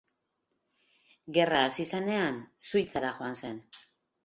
Gerra hasi zenean, Suitzara joan zen.